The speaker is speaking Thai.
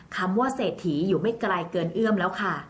คำว่าเศรษฐีอยู่ไม่ไกลเกินเอื้อมแล้วค่ะ